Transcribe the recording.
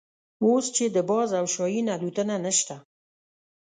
اوس چې د باز او شاهین الوتنه نشته.